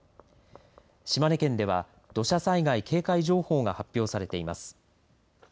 島根県では土砂災害警戒情報が発表されています。